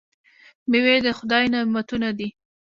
میوې د خدای نعمتونه دي.